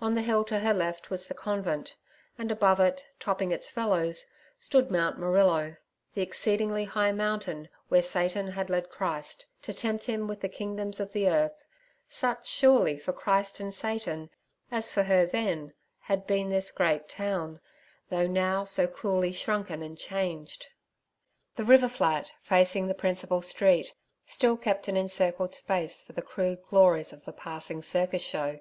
On the hill to her left was the convent, and above it, topping its fellows, stood Mount Murrillo—the exceeding high mountain where Satan had led Christ, to tempt Him with the kingdoms of the earth, such surely for Christ and Satan, as for her then, had been this great town, though now so cruelly shrunken and changed. The river flat facing the principal street still kept an encircled space for the crude glories of the passing circus show.